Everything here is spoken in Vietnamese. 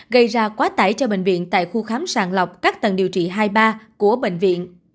gây ra quá tải cho bệnh viện tại khu khám sàng lọc các tầng điều trị hai ba của bệnh viện